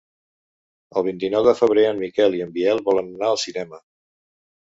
El vint-i-nou de febrer en Miquel i en Biel volen anar al cinema.